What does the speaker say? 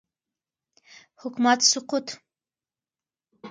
حکومت سقوط